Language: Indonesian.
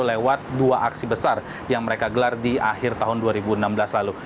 lewat dua aksi besar yang mereka gelar di akhir tahun dua ribu enam belas lalu